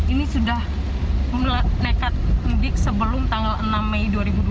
ini sudah nekat mudik sebelum tanggal enam mei dua ribu dua puluh